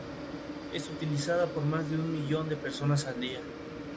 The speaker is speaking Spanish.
Vapores de color verde amarillento.